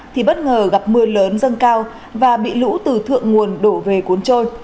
thì bất ngờ gặp mưa lớn dâng cao và bị lũ từ thượng nguồn đổ về cuốn trôi